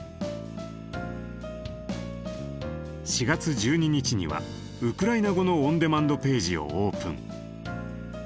４月１２日にはウクライナ語のオンデマンドページをオープン。